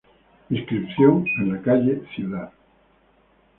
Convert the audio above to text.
Inscripción en la calle Ciudad.